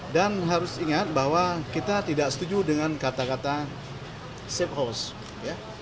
dan harus ingat bahwa kita tidak setuju dengan kata kata safe house